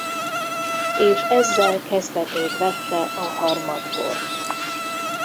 És ezzel kezdetét vette a Harmadkor.